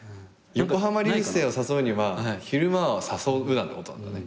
横浜流星を誘うには昼間は誘うなってことなんだね。